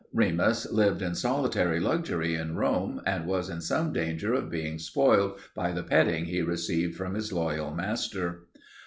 Remus lived in solitary luxury in Rome and was in some danger of being spoiled by the petting he received from his loyal master.